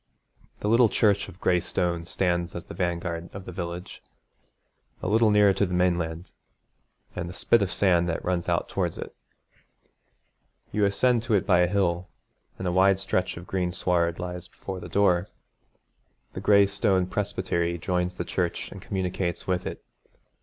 The little church of gray stone stands as the vanguard of the village, a little nearer to the mainland, and the spit of sand that runs out towards it. You ascend to it by a hill, and a wide stretch of green sward lies before the door. The gray stone presbytery joins the church and communicates with it.